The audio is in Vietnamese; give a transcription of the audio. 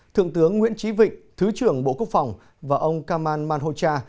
thượng tướng nguyễn trí vịnh thứ trưởng bộ quốc phòng và ông kamal manhocha